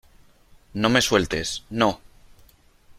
no me sueltes . no .